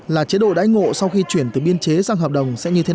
là chế độ đái ngộ sau khi chuyển từ biên chế sang hợp đồng sẽ như thế nào